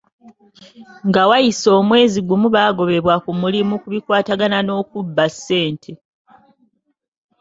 Nga wayise omwezi gumu baagobebwa ku mulimu ku bikwatagana n'okubba ssente.